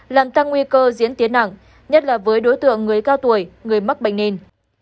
làm tăng nguy cơ diễn tiến nặng nhất là với đối tượng người cao tuổi người mắc bệnh nền